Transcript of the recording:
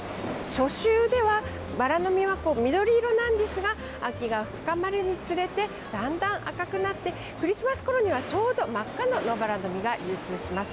初秋ではバラの実は緑色なんですが秋が深まるにつれてだんだん赤くなってクリスマスごろにはちょうど真っ赤なノバラの実が流通します。